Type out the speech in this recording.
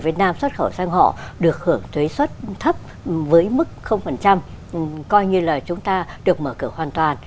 việt nam xuất khẩu sang họ được hưởng thuế xuất thấp với mức coi như là chúng ta được mở cửa hoàn toàn